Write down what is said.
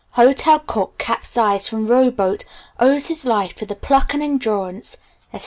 Hotel Cook Capsized from Row Boat Owes His Life to the Pluck and Endurance etc.